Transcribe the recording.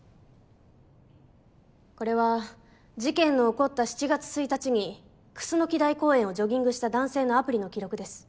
これは事件の起こった７月１日にくすのき台公園をジョギングした男性のアプリの記録です。